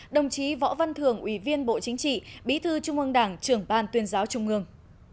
đồng chí võ văn thường ủy viên bộ chính trị bí thư trung ương đảng trưởng ban tuyên giáo trung ương